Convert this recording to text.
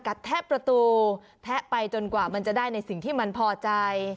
แทะประตูแทะไปจนกว่ามันจะได้ในสิ่งที่มันพอใจ